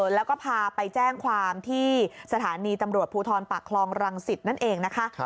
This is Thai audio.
แล้วก็พาไปแจ้งความที่สถานีตำรวจภูทรปากคลองรังสิตนั่นเองนะคะ